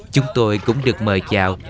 chúng tôi cũng được mời chào